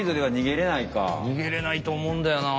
逃げれないと思うんだよな